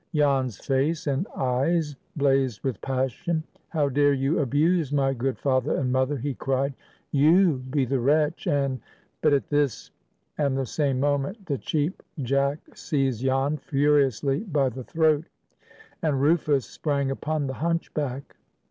Jan's face and eyes blazed with passion. "How dare you abuse my good father and mother!" he cried. "You be the wretch, and"— But at this, and the same moment, the Cheap Jack seized Jan furiously by the throat, and Rufus sprang upon the hunchback.